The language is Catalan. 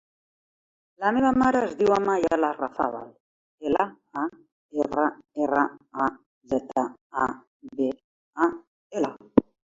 La meva mare es diu Amaia Larrazabal: ela, a, erra, erra, a, zeta, a, be, a, ela.